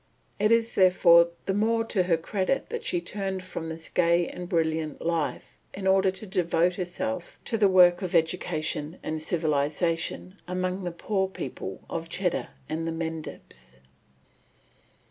It is, therefore, the more to her credit that she turned from this gay and brilliant life in order to devote herself to the work of education and civilisation among the poor people of Cheddar and the Mendips.